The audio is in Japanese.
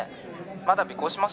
まだ尾行します？